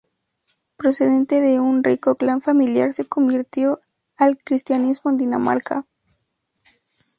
Procedente de un rico clan familiar, se convirtió al cristianismo en Dinamarca.